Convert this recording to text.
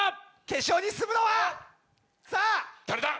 決勝に進むのは⁉誰だ？